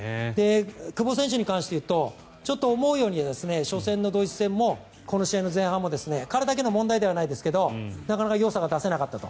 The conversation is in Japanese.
久保選手に関して言うとちょっと思うように初戦のドイツ戦もこの試合の前半も彼だけの問題ではないですがなかなかよさが出せなかったと。